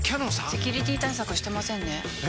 セキュリティ対策してませんねえ！